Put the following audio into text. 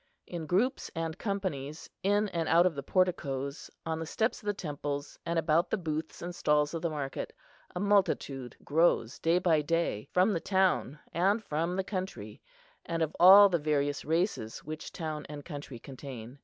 In groups and companies, in and out of the porticoes, on the steps of the temples, and about the booths and stalls of the market, a multitude grows day by day, from the town and from the country, and of all the various races which town and country contain.